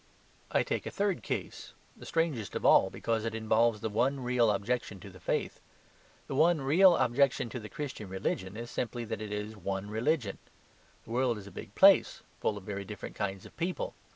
I take a third case; the strangest of all, because it involves the one real objection to the faith. The one real objection to the Christian religion is simply that it is one religion. The world is a big place, full of very different kinds of people.